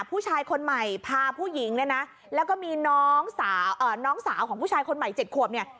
ผู้ชายคนใหม่พาผู้หญิงเนี่ยนะแล้วก็มีน้องสาวน้องสาวของผู้ชายคนใหม่๗ขวบเนี่ย